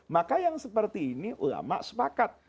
maka yang seperti ini ulama sepakat